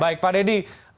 baik pak deddy